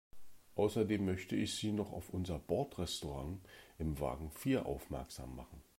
Außerdem möchte ich Sie noch auf unser Bordrestaurant in Wagen vier aufmerksam machen.